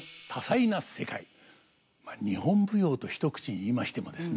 日本舞踊と一口に言いましてもですね